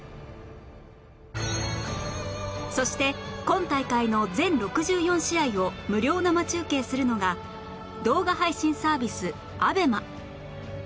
そして今大会の全６４試合を無料生中継するのが動画配信サービス ＡＢＥＭＡ